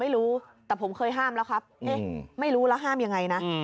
ไม่รู้แต่ผมเคยห้ามแล้วครับเอ๊ะไม่รู้แล้วห้ามยังไงนะ